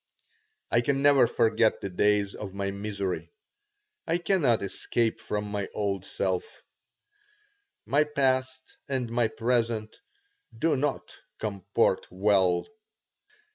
I can never forget the days of my misery. I cannot escape from my old self. My past and my present do not comport well.